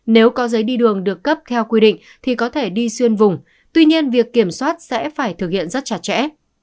nếu có giấy đi đường được cấp theo quy định thì có thể đi xuyên vùng tuy nhiên việc kiểm soát sẽ phải thực hiện rất chặt chẽ